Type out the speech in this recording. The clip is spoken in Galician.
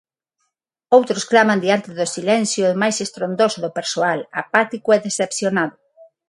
Outros claman diante do silencio máis estrondoso do persoal, apático e decepcionado.